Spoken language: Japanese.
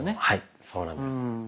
はいそうなんです。